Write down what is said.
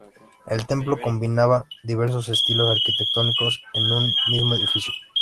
El templo combinaba diversos estilos arquitectónicos en un mismo edificio.